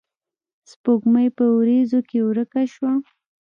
سپوږمۍ پۀ وريځو کښې ورکه شوه